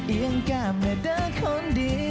ยังแก้มให้เดินคนดี